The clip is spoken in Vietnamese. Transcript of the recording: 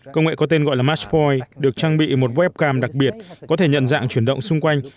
công nghệ có tên gọi là matchpoint được trang bị một webcam đặc biệt có thể nhận dạng chuyển động xung quanh